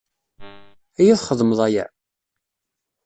Ad iyi-txedmeḍ aya?